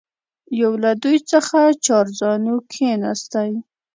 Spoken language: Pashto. یو له دوی څخه چارزانو کښېنستی.